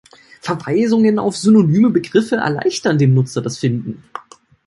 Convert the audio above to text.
Verweisungen auf synonyme Begriffe erleichtern dem Nutzer das Finden.